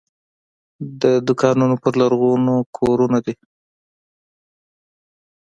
د دوکانونو پر لرغوني کورونه دي.